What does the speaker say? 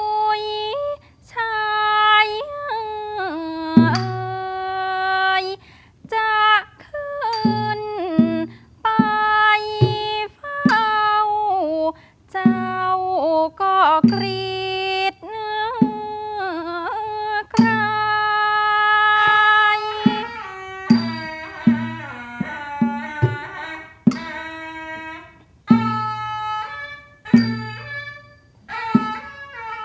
ช่วยใช้เบญยกายจากขึ้นไปเฝ้าเจ้าก็กรีดในใคร